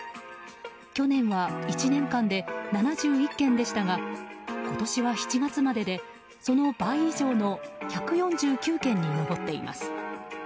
去年は１年間で７１件でしたが今年は７月までで、その倍以上の１４９件に上っています。